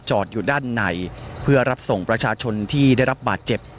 อยู่ด้านในเพื่อรับส่งประชาชนที่ได้รับบาดเจ็บ